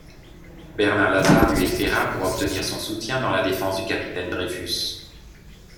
Bernard Lazare lui écrira pour obtenir son soutien dans la défense du capitaine Dreyfus.